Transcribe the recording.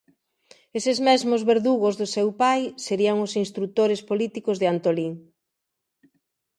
Estes mesmos verdugos do seu pai serían os instrutores políticos de Antolín.